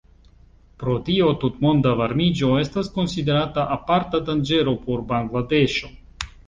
Pro tio, tutmonda varmiĝo estas konsiderata aparta danĝero por Bangladeŝo.